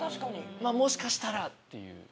もしかしたらっていう。